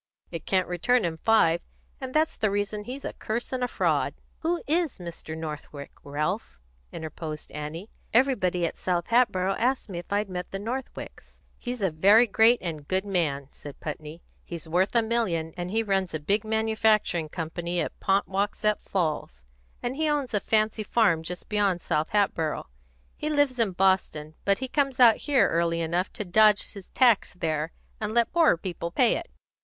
It can't return him five; and that's the reason he's a curse and a fraud." "Who is Mr. Northwick, Ralph?" Annie interposed. "Everybody at South Hatboro' asked me if I'd met the Northwicks." "He's a very great and good man," said Putney. "He's worth a million, and he runs a big manufacturing company at Ponkwasset Falls, and he owns a fancy farm just beyond South Hatboro'. He lives in Boston, but he comes out here early enough to dodge his tax there, and let poorer people pay it.